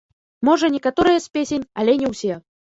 Можа, некаторыя з песень, але не усе.